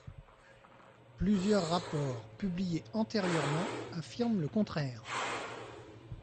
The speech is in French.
Plusieurs rapports publiés antérieurement affirment le contraire.